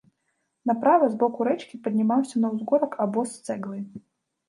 Направа, з боку рэчкі, паднімаўся на ўзгорак абоз з цэглай.